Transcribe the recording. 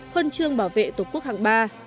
khuân trương bảo vệ tổ quốc hạng ba